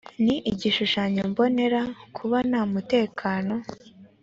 n igishushanyo mbonera kuba nta mutekano